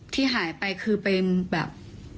ที่หายไปคือเป็นแบบ